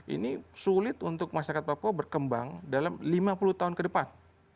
ini sulit untuk masyarakat papua berkembang dalam lima puluh tahun ke depan